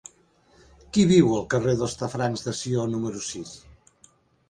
Qui viu al carrer d'Hostafrancs de Sió número sis?